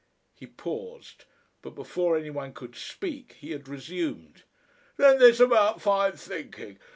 He paused, but before any one could speak he had resumed. "Then this about fine thinking.